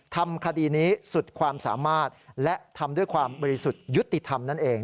ทำคดีนี้สุดความสามารถและทำด้วยความบริสุทธิ์ยุติธรรมนั่นเอง